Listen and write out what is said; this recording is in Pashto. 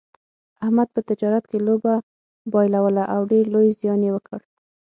احمد په تجارت کې لوبه بایلوله او ډېر لوی زیان یې وکړ.